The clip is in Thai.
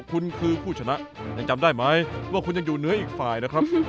คุณคือผู้ชนะยังจำได้ไหมว่าคุณยังอยู่เหนืออีกฝ่ายนะครับ